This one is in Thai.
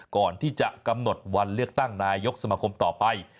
ก่อนที่จะกำหนดวันเลือกตั้งนายกสมคมต่อไป